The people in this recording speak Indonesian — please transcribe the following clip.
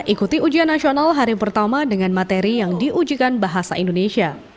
ikuti ujian nasional hari pertama dengan materi yang diujikan bahasa indonesia